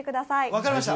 分かりました。